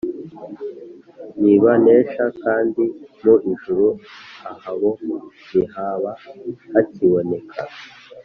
Ntibanesha kandi mu ijuru ahabo ntihaba hakiboneka.